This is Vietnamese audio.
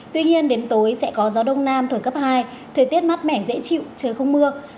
tuy nhiên đến tối sẽ có gió đông nam thổi cấp hai thời tiết mát mẻ dễ chịu trời không mưa